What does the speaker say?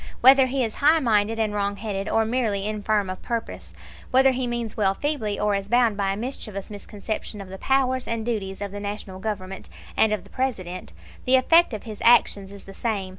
Whether he is highminded and wrongheaded or merely infirm of purpose, whether he means well feebly or is bound by a mischievous misconception of the powers and duties of the National Government and of the President, the effect of his actions is the same.